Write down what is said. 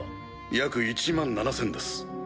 約１万７０００です。